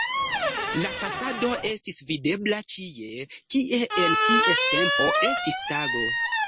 La pasado estis videbla ĉie, kie en ties tempo estis tago.